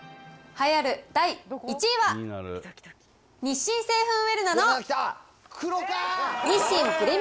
栄えある第１位は、日清製粉ウェルナの日清ぷれみ